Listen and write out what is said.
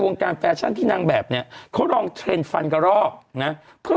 การแฟชั่นที่นางแบบเนี้ยเขาลองเทรนด์ฟันกระรอกนะเพื่อ